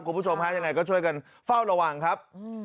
คุณผู้ชมฮะยังไงก็ช่วยกันเฝ้าระวังครับ